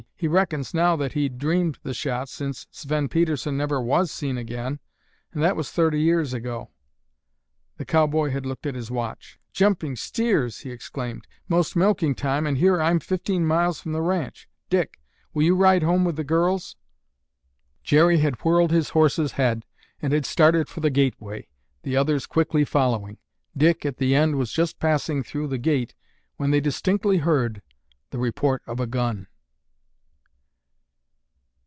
He reckons now that he'd dreamed the shot since Sven Pedersen never was seen again and that was thirty years ago." The cowboy had looked at his watch. "Jumping Steers!" he exclaimed. "Most milking time and here I'm fifteen miles from the ranch. Dick, will you ride home with the girls?" Jerry had whirled his horse's head and had started for the gateway, the others quickly following. Dick, at the end, was just passing through the gate when they distinctly heard the report of a gun.